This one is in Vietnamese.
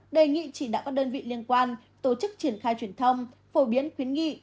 đề nghị chỉ đạo các đơn vị liên quan tổ chức triển khai truyền thông phổ biến khuyến nghị